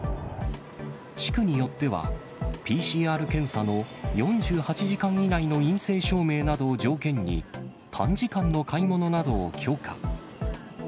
地区によっては、ＰＣＲ検査の４８時間以内の陰性証明などを条件に、短時間の買い物などを許可。